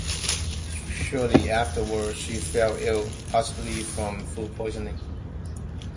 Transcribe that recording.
Shortly afterward, she fell ill, possibly from food poisoning.